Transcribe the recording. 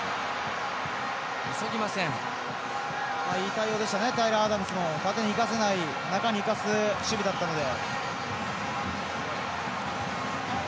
いい対応でしたねタイラー・アダムズも縦にいかせない、中にいかせる守備だったので。